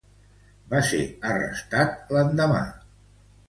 Va ser arrestat l'endemà.